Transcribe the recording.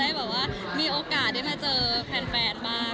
จะได้แบบว่ามีโอกาสได้มาเจอแฟนมา